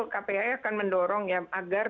kpai akan mendorong agar